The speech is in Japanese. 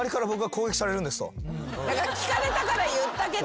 聞かれたから言ったけど。